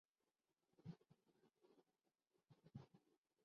کبھی تو شب سر کاکل سے مشکبار چلے